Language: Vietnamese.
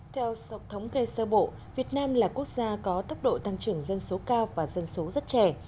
theo sọc thống kê sơ bộ việt nam là quốc gia có tốc độ tăng trưởng dân số cao và dân số rất trẻ